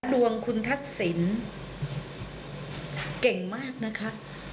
ดวงคุณทักษิณเก่งมากนะคะ